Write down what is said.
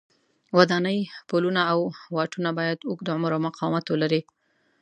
ودانۍ، پلونه او واټونه باید اوږد عمر او مقاومت ولري.